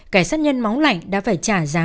cải sát nhân máu lạnh đã phải trả giá